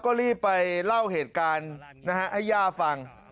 ก็รีบไปเล่าเหตุการณ์ให้ย่าฟัง